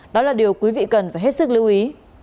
đó là điều quý vị cần phải hết sức lưu ý